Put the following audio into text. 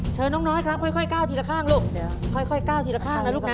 เชิญน้องให้ครับค่อยเก้าทีละข้างลูก